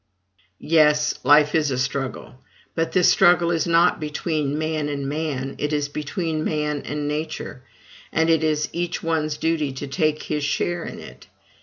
Yes, life is a struggle. But this struggle is not between man and man it is between man and Nature; and it is each one's duty to take his share in it.